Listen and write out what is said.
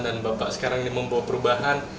dan bapak sekarang ini membawa perubahan